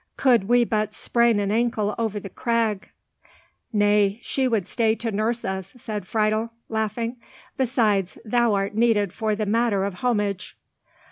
Could we but sprain an ankle over the crag—" "Nay, she would stay to nurse us," said Friedel, laughing; "besides, thou art needed for the matter of homage."